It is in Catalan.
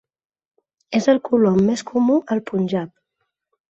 És el colom més comú al Punjab.